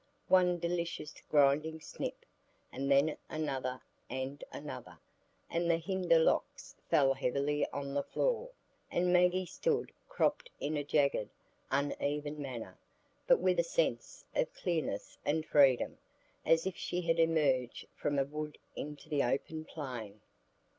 One delicious grinding snip, and then another and another, and the hinder locks fell heavily on the floor, and Maggie stood cropped in a jagged, uneven manner, but with a sense of clearness and freedom, as if she had emerged from a wood into the open plain.